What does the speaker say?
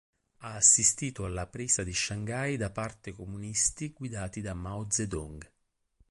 Ha assistito alla presa di Shanghai da parte comunisti guidati da Mao Zedong.